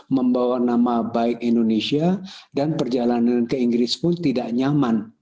membawa nama baik indonesia dan perjalanan ke inggris pun tidak nyaman